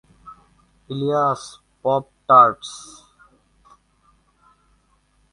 Ilias, pop-tarts?